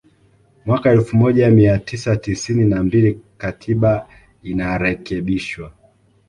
Mwaka elfu moja mia tisa tisini na mbili Katiba inarekebishwa